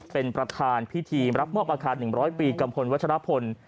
เป็นประธานพิธีรับมอบอาคาร๑๐๐ปีกัมพลวัชรพล